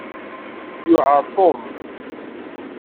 Yuɛeṛ Tom.